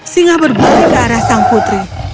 singa berbalik ke arah sang putri